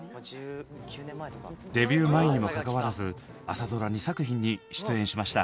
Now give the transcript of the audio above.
デビュー前にもかかわらず朝ドラ２作品に出演しました。